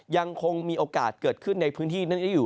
ยังคงมีโอกาสเกิดขึ้นในพื้นที่นั้นได้อยู่